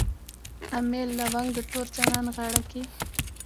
امیل لونګ د تور جانان غاړه کي